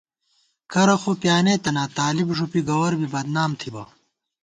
کرہ خو پیانېتہ نا طالب ݫُپی گور بی بدنام تھِبہ